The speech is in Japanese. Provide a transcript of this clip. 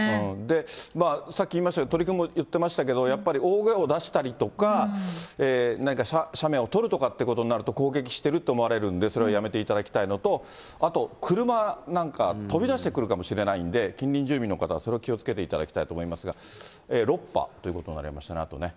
さっき言いましたけど、鳥くんも言ってましたけど、やっぱり、大声を出したりとか、何か写メを撮るということになると、攻撃してるって思われるんで、それをやめていただきたいのと、あと、車なんか、飛び出してくるかもしれないんで、近隣住民の方はそれ気をつけていただきたいと思いますが、６羽ということになりましたね、あとね。